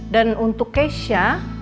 dan untuk keisha